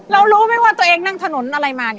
รู้ไหมว่าตัวเองนั่งถนนอะไรมา